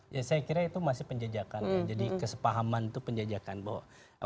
ya saya kira itu masih penjajakan jadi kesepahaman itu penjajakan bahwa